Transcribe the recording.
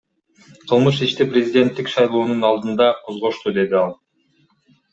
Кылмыш ишти президенттик шайлоонун алдында козгошту, — деди ал.